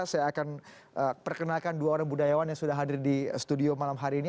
saya akan perkenalkan dua orang budayawan yang sudah hadir di studio malam hari ini